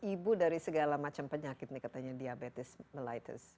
ibu dari segala macam penyakit nih katanya diabetes mellitus